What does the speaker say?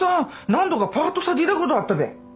何度かパートさ出たことあったべ。